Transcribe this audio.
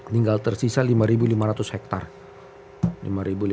tinggal tersisa lima ribu lima ratus hektar